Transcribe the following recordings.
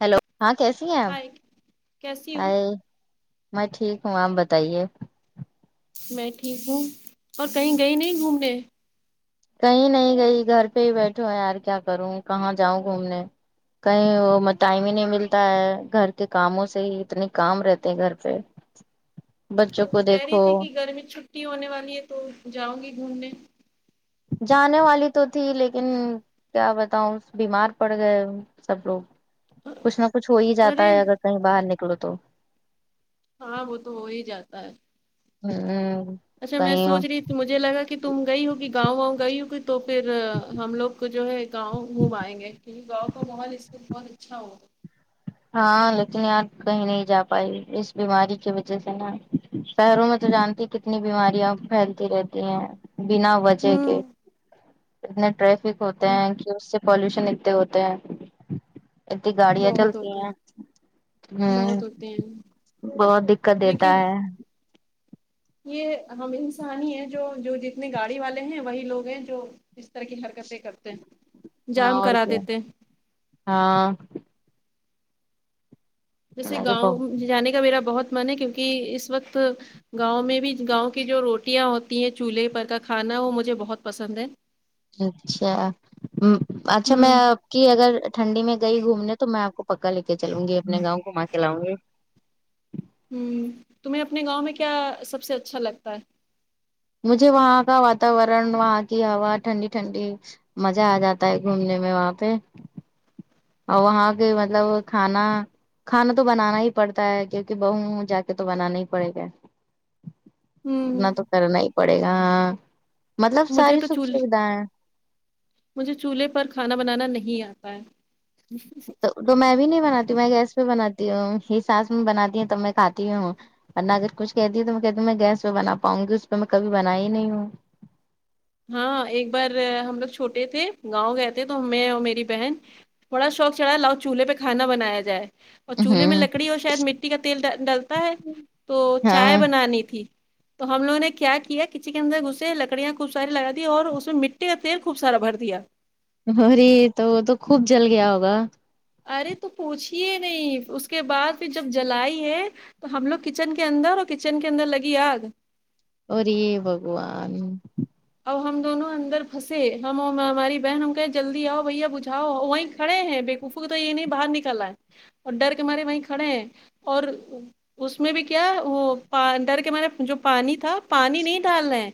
Hello ہاں کیسی ہیں آپ ہائے کیسی ہو میں ٹھیک ہوں آپ بتائیے میں ٹھیک ہوں اور کہیں گئی نہیں گھومنے کہیں نہیں گئی گھر پہ ہی بیٹھو یار کیا کروں کہاں جاؤں گھومنے کہیں وہ میں ٹائم ہی نہیں ملتا ہے گھر کے کاموں سے ہی اتنے کام رہتے ہیں گھر پہ بچوں تم کو کہہ دیکھو رہی تھی کہ گرمی چھٹی چھٹی ہونے والی ہے تو جاؤں گی گھومنے جانے والی تو تھی لیکن کیا بتاؤں بیمار پڑ گئے سب لوگ کچھ نہ کچھ ہو ہی جاتا ارے ہے اگر کہیں باہر نکلو تو ہاں وہ تو ہو ہی جاتا ہے ہوں اچھا میں سوچ رہی تھی مجھے لگا تم گئی ہو کہ گاؤں گئی ہو کہ تو پھر ہم لوگ کو جو ہے گاؤں گھمائیں گے کی گاؤں کا ماحول اس سے بہت اچھا ہوگا ہاں لیکن یار کہیں نہیں جا پائی اس بیماری کی وجہ سے نا شہروں میں تو جانتی کتنی بیماریاں پھیلتی رہتی ہیں بنا وجہ کے ہوں اتنے ٹریفک ہوتے ہیں کہ اس سے پالوشن اتتے ہوتے ہیں اتنی گاڑیاں بہت چلتی ہ ہوتے ہیں بہت ہوتے ہیں بہت دقت دیتا لیکن ہے یہ ہم انسانی ہی ہے جو جو جتنے گاڑی والے ہیں وہی لوگ ہیں جو اس طرح کی حرکتیں کرتے ہیں ہاں جام اور کرا کیا دیتے ہیں۔ ہاں جیسے ارے بہت گاؤں جانے کا میرا بہت من ہے کیونکہ اس وقت گاؤں میں بھی گاؤں کی جو روٹیاں ہوتی ہیں چولہے پر کا کھانا وہ مجھے بہت پسند ہے اچھا اچھا میں ہوں کہ اگر ٹھنڈی میں گئی گھومنے تو میں آپ کو پکا لکے چلوں گی اپنے گاؤں گھوما کے لاؤں گی ہمم تمہیں اپنے گاؤں میں کیا سب سے اچھا لگتا ہے مجھے وہاں کا وتاورن وہاں کی ہوا ٹھنڈی ٹھنڈی مزہ آ جاتا ہے گھومنے میں وہاں پہ اور وہاں کے مطلب کھانا کھانا تو بنانا ہی پڑتا ہے کیونکہ بہو ہوں جا کے تو بنانا ہی پڑے گا ہوں اتنا تو کرنا ہی پڑے گا ہاں مطلب مجھے ساری تو چ سکھ سویدھائیں مجھے چولہے پر کھانا بنانا نہیں آتا ہے تو میں بھی نہیں بناتی ہوں میں گیس پہ بناتی ہوں میری ساس میں بناتی ہے تو میں کھاتی ہوں ورنہ اگر کچھ کہدے تو میں کہتی ہوں میں گیس پے بنا پاؤ گی اس پہ میں کبھی بنائی نہیں ہوں ہاں ایک بار ہم لوگ چھوٹے تھے گاؤں گئے تھے تو میں اور میری بہن بڑا شوق چڑھا لاؤ چولہے پہ کانا بنایا جائے اور چولہے میں ہوں لکڑی اور شاید مٹی کا تیل ڈلتا ہے تو چائے ہاں بنانی تھی تو ہم لوگنے کیا کیا کچن کے اندر گھسے لکڑیاں خوب ساری لگادی اور اس میں مٹی کا تیل خوب سارا بھر دیا ارے یہ تو وہ تو خوب جل گیا ہوگا ارے تو پوچھیے نہیں اس کے بعد پھر جب جلائی ہے تو ہم لوگ کچن کے اندر اور کچن کے اندر لگی آگ ارے بگوان اب ہم دونوں اندر پھنسے ہم ہماری بہن ہم کہے جلدی آؤ بھیا بجھؤ وہیں کھڑے ہیں افو کو تو یہ نہیں باہر نکل آییں اور ڈر کے مارے وہیں کھڑے ہیں اور اس میں بھی کیا وہ ڈر کے مارے جو پانی تھا پانی نہیں ڈال رہے ہیں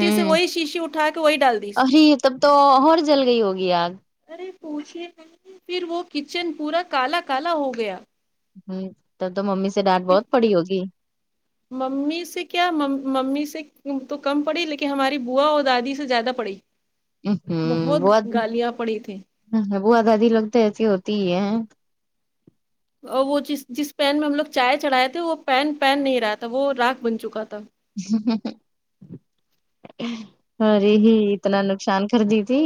غلطی سے وہی شیشی اٹھا کے وہی ڈال دی ارے تب تو اور جل گئی ہوگی آگ ارے پوچھئے نہیں پھر وہ کچن پورا کالا کالا ہو گیا ہمم تب تو ممی سے ڈانٹ پھر بہت پڑی ہوگی ممی سے کیا ممی سے تو کم پڑی لیکن ہماری بوا اور دادی سے زیادہ پڑی بہت گالیاں پڑی تھیں ہ وہ دادی لوگ تو ایسی ہوتی ہی ہے اور وہ جس جس پین میں ہم لوگ چائے چڑھائے تھے وہ پین پین نہیں رہا تھا وہ راغ بن چکا تھا ہ ہ ہ ارے ہی اتنا نقصان کردی تھی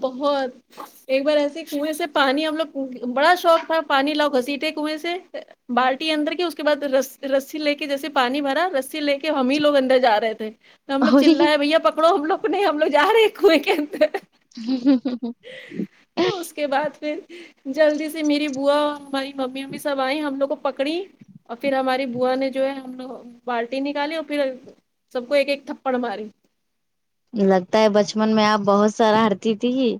بہت ایک بار ایسے کنویں سے پانی ہم لوگ بڑا شوق تھا پانی لوؤ گھسیٹے کنویں سے بالٹی اندر کے اس کے بعد ر رسی لے کے جیسے پانی بھرا رسی لے کے ہم ہی لوگ اندر جا رہے تھے ہم لوگ اور چللایے بھیا پکڑو ہم لوگ کو نہیں ہم لوگ جا رہے ہیں کنویں کے اندر اس کے بعد پھر جلدی سے میری بوا اور ہماری ممی وممی سب آئی ہم لوگ کو پکڑی اور پھر ہماری بوا نے جو ہے ہم لوگ بالٹی نکالی اور پھر سب کو ایک ایک تھپڈ ماری لگتا ہے بچپن میں آپ بہت سارا ہٹتی تھی ہی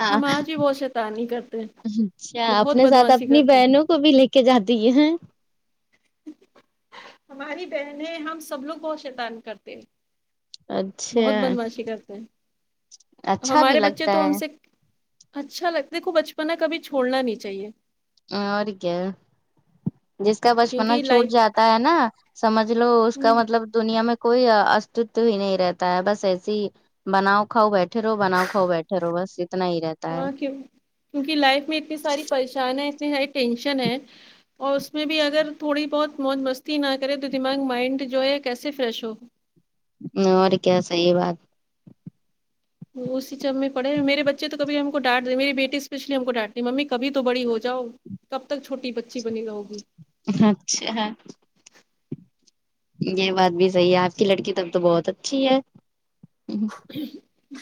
ہاں ہم آج بھی بہت شیطانی کرتے ہیں اچھا بہت اپنے ساتھ بدماشی اپنی کرتے ہیں بہنوں کو بھی لے کے جاتی ہاں ہماری بہنیں ہم سب لوگ کو شیتان کرتے ہیں اچھا بہت بدماشی کرتے ہیں اچھا بھی ہمارے بچے لگتا تو ہم ہے سے اچھا لگتا دیکھو بچپنا کبھی چھوڑنا نہیں چاہیے اور کیا جس کا بچپنا کیونکہ چھوٹ لائف جاتا ہے نا سمجھ لو اس کا مطلب دنیا میں کوئی استتو ہی نہیں رہتا ہے بس ایسی ہی بناؤ کھاؤ بیٹھے رہو بناؤ کاؤ بیٹھے رہو بس اتنا ہی رہتا ہاں کی کیونکہ لائف میں اتنی ساری پریشان ہے اتنی ساری ٹینشن ہے اور اس میں بھی اگر تھوڑی بہت موج مستی نہ کرے تو دماغ مائنڈ جو ہے کیسے فریش ہو نور کیا صحیح بات وہ اسی چب میں پڑھے میرے بچے توکبھی ہم کو ڈانٹ دے میری بیٹی اسپیشلی ہم کو ڈانٹ دی ممی کبھی تو بڑی ہو جاؤ کب تک چھوٹی بچی بنی رہو گی اچھا ہاں یہ بات بھی صحیح ہے آپ کی لڑکی تب تو بہت اچھی ہے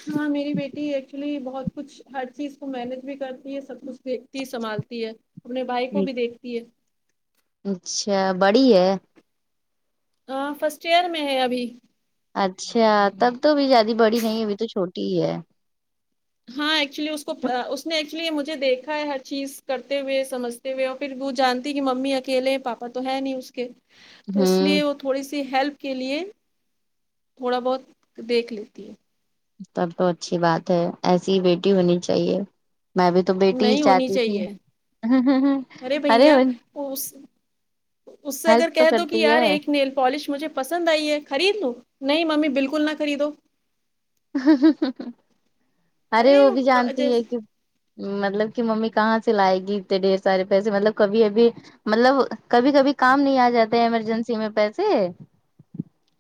ہاں میری بیٹی ایکچولی بہت کچھ ہر چیز کو مینج بھی کرتی ہے سب کچھ دیکھتی سنبھالتی ہے اپنے بھائی کو جی بھی دیکھتی ہے اچھا بڑی ہے ہاں فرسٹ ایئر میں ہے ابھی اچھا تب تو ابھی زیادہ بڑی نہیں ابھی تو چھوٹی ہی ہے ہاں ایکچولی اس کو اس نے ایکچولی مجھے دیکھا ہے ہر چیز کرتے ہوئے سمجھ پھر وہ جانتی کہ ممی اکیلے پاپا تو ہے نہیں اس کے تو اس ہوں لیے تھوڑی سی ہیلپ کے لیے تھوڑا بہت دیکھ لیتی ہے سب تو اچھی بات ہے ایسی ہی بیٹی ہونی چاہیے میں بھی تو بیٹی ہی نہیں ہونی چاہتی تھی چاہیے ہ ہ ہ ارے بھیا ب اس اس سے اگر کہہ دو کہ یار ایک نیل پالش مجھے پسند آئی ہے خرید لوں نہیں ممی بالکل نہ خریدو ارے وہ بھی جانتی ہے جیسے کہ مطلب کہ ممی کہاں سے لائے گی اتنے ڈھیر سارے پیسے مطلب کبھی ابھی مطلب کبھی کبھی کام نہیں آ جاتے ایمرجنسی میں پیسے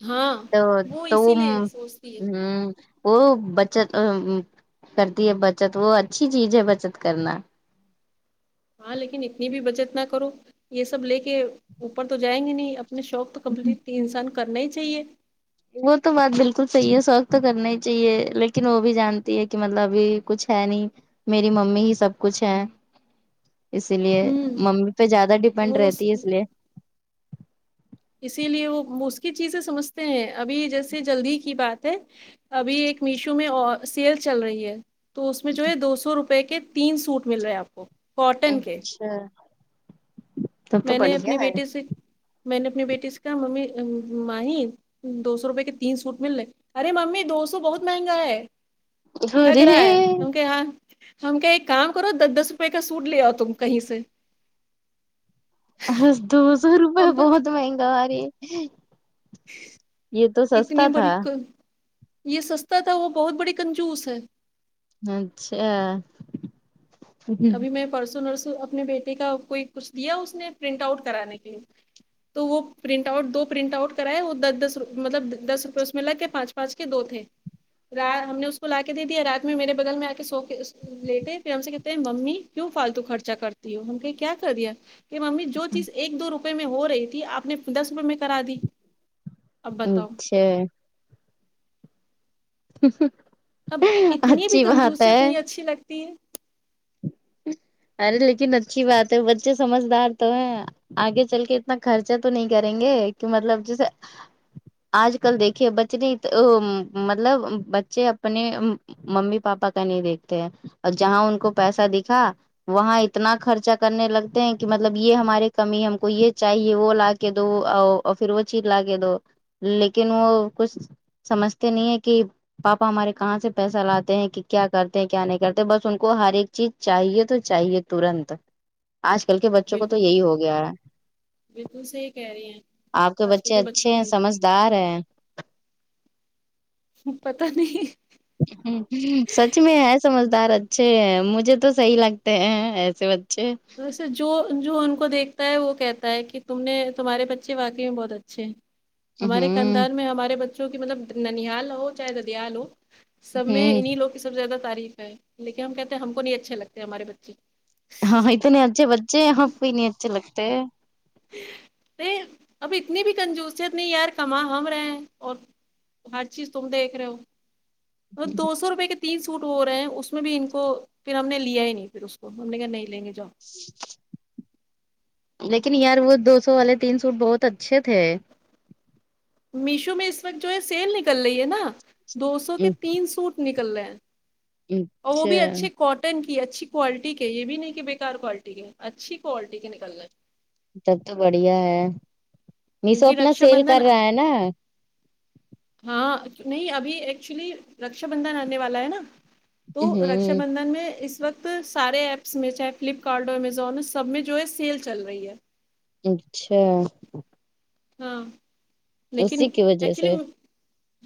ہاں تو وہ تو اسی لیے سوچتی ہے ہ وہ بچت کرتی ہے بچت وہ اچھی چیز ہے بچت کرنا ہاں لیکن اتنی بھی بچت نہ کرو یہ سب لے کے اوپر تو جائیں گے نہیں اپنے شوق تو کمپلیٹ انسان کرنا ہی چاہیے وہ تو بات بالکل صحیح ہے سوقت تو کرنا ہی چاہیے لیکن وہ بھی جانتی ہے کہ مطلب ابھی کچھ ہے نہیں میری ممی ہی سب کچھ ہے اسی لیے ہوں ممی پہ زیادہ ڈپینڈ وہ رہتی ہے اس لیے اسی لیے وہ اس کی چیزیں سمجھتے ہیں ابھی جیسے جلدی کی بات ہے ابھی ایک میشو میں سیل چل رہی ہے تو اس میں جو ہے دو سو روپے کے تین سوٹ مل رہے ہے آپ کو کاٹن کے اچھا تب تو میں نے بڑھیا اپنے ہے بیٹے سے میں نے اپنی بیٹی سے کہا ممی ماہی دو سو روپے کے تین سوٹ مل رہے ارے ممی دو سو بہت مہنگا ہے ٹھگ ارے رہا ہے کیونکہ یہاں ہم کیا ایک کام کرو دس دس روپئے کا سوٹ لے آؤ تم کہیں سے ہس [unintelligible] سو روپئے اب بہت مہنگا ہماریے یہ تو اتنی سستا تھا بڑی یہ سستا تھا وہ بہت بڑی کنجوس ہے اچھا اچھا ابھی میں پرسوں نرسوں اپنے بیٹے کا کوئی کچھ دیا اس نے پرنٹ آؤٹ کرانے کے لیے تو وہ پرنٹ آؤٹ دو پرنٹ آؤٹ کرائے وہ دس مطلب دس روپے اس میں لگ کے پانچ پانچ کے دو تھے ہم نے اس کو لا کے دے دیا رات میں میرے بغل میں آ کے سو لیتے پھر ہم سے ممی کیوں فالتو خرچا کرتی ہو ہم کہیں کیا کریا کہ ممی جو چیز ایک دو روپئے میں ہو رہی تھی آپ نے دس روپئے میں کرا دی اب بتاؤ اچھا اب اتنی بھی اچھی بات کنجوسیت ہے نہیں اچھی لگتی ہے ارے لیکن اچھی بات ہے بچے سمجھدار تو ہیں آگے چل کے اتنا خرچہ تو نہیں کریں گے کہ مطلب جیسے آج کل دیکھیے بچے نے ا مطلب بچے اپنے ممی پاپا کا نہیں دیکھتے ہیں اور جہاں ان کو پیسہ دکھا وہاں اتنا خرچا کرنے لگتے ہیں کہ مطلب یہ ہمارے کمی ہم کو یہ چاہیے وہ لاکھ کے دو پھر وہ چیز لا کے دو لیکن وہ کچھ سمجھتے نہیں ہے کہ پاپا ہمارے کہاں سے پیسہ لاتے ہیں کہ کیا کرتے ہیں کیا نہیں کرتے بس ان کو ہر ایک چیز چاہیے تو چاہیے ترنت آج کل کے بچوں کو تو بالکل یہی ہو گیا ہے بالکل صحیح کہہ رہی ہیں آپ آج کل بچے کے بچوں کو اچھے یہ سمجھدار ہے پتا نہیں ہمم سچ میں ہے سمجھدار اچھے مجھے تو صحیح لگتے ہیں ایسے بچے ویسے جو جو ان کو دیکھتا ہے وہ کہتا ہے کہ تم نے تمہارے بچےواقعی میں بہت اچھے ہیں ہمارے ہوں خاندان میں ہمارے بچوں کی مطلب ننیاال ہو چاہے ددیال ہو سب میں ہوں انہیں لوگ کی سب سے زیادہ تعریف ہے لیکن ہم کہتے ہیں ہم کو نہیں اچھے لگتے ہمارے بچے ہاں اتنے اچھے بچے آپکو ہی نہیں اچھے لگتے ہے اب اتنی بھی کنجوسیت نہیں یار کماں ہم رہے ہیں اور ہر چیز تم دیکھ رہے ہو اور دو سو روپئے کت تین سوٹ ہو رہ ہیں اس میں بھی ان کو پھر ہم نے لیا ہی نہیں پھر اس کو ہم نے کہ نہیں لیں گے جا جی لیکن یار وہ دو سو والے تین سوٹ بہت اچھے تھے میشو میں اس وقت جو ہے سیل نکل رہی ہے نا دو سو کے تین سوٹ نکل رہے ہیں اور وہ اچھا بھی اچھے کٹ ٹن کی اچھی کوالٹی کے یہ بھی نہیں کہ بےیکار کوالٹی کے اچھی کوالٹی کے نکلنا ہے تب تو بڑھیا ہے میشو کیونکہ اپنا رکشا سیل کر بندھن رہا ہے نا ہاں نہیں ابھی ایکچولی رکشا بندھن آنے والا ہے نا تو رکشا ہوں بندھن میں اس وقت سارے ایپس میں چاہے فلپکارٹ امزون سب میں جو ہے سیل چل رہی ہے اچھا ہاں لیکن اسی کی وجہ ایکچولی سے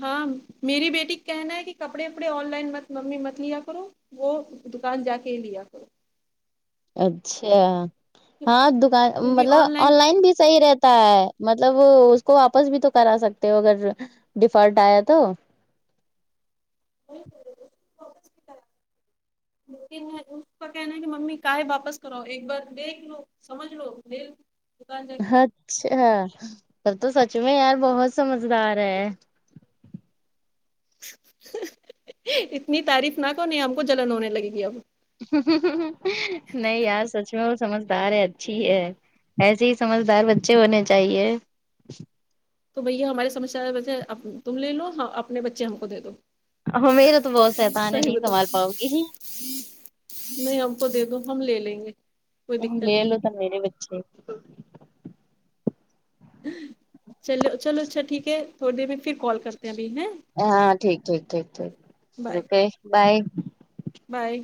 ہاں میری بیٹی کہنا ہے کہ کپڑے وپڑے آن لائن مت ممی مت لیا کرو وہ دکان جا کے لیا کر اچھا ہاں دکان مطلب آن لائن بھی صحیح رہتا ہے مطلب اس کو واپس بھی تو کرا سکتے ہو اگر ڈیفالٹ آیا تو اس کا کہنا ہے کہ ممی کاائے واپس کراوؤ ایک بار دیکھ لو سمجھ لو لیلو اچھا پر تو سچ میں یار بہت سمجھدار ہے اتنی تعریف نہک ہونی ہم کو جلن ہونے لگے گی اب نہیں یار سچ میں وہ سمجھد ہے اچھی ہے ایسے ہی سمجھدار بچے ہونے چاہیے تو بھیا ہماری سمسیا ویسے تم لے لو اپنے بچے ہم کو دے دو میرا تو بہت سہیتا نے صحیح نہیں بتاؤ سنبھل پاؤ گی نہیں ہم کو دے دوں ہم لے لیں گے کوئی لے دقت نہیں لو تو میرے بچے چلو چلو اچھا ٹھیک ہے تھوڑی دیر میں پھر کال کرتے ہیں ابھی ہیں ہاں ٹھیک ٹھیک ٹھیک ٹھیک بائے روکے بائے بائے